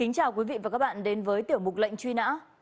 xin chào quý vị và các bạn đến với tiểu mục lệnh truy nã